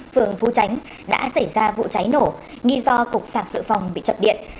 phường phu tránh đã xảy ra vụ cháy nổ nghi do cục sàng sự phòng bị chập điện